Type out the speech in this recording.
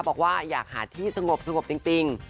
บอกว่าอยากหาที่สงบจริง